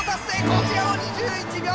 こちらも２１秒！